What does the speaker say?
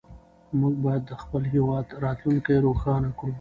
موږ باید د خپل هېواد راتلونکې روښانه کړو.